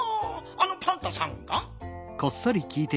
あのパンタさんが？